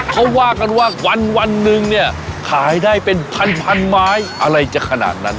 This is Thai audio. เขาว่ากันว่าวันหนึ่งเนี่ยขายได้เป็นพันไม้อะไรจะขนาดนั้น